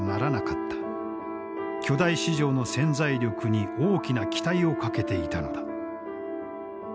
巨大市場の潜在力に大きな期待をかけていたのだ。